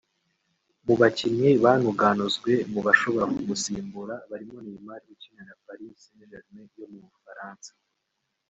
Mu bakinnyi banuganuzwe mu bashobora kumusimbura barimo Neymar ukinira Paris St Germain yo mu Bufaransa